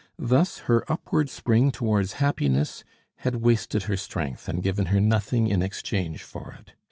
Thus her upward spring towards happiness had wasted her strength and given her nothing in exchange for it.